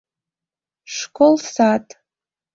Школ сад.